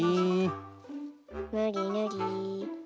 ぬりぬり。